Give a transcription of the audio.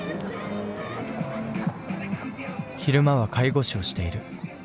昼間は介護士をしている。